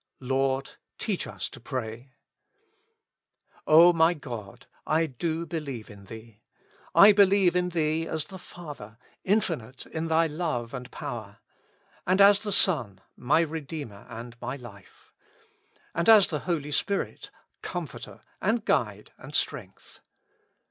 ''Lord, teach us to pray." O my God ! I do believe in Thee. I believe in Thee as the Father, Infinite in Thy Love and Power. And as the Son, my Redeemer and my Life. And as the Holy Spirit, Comforter and Guide and Strength.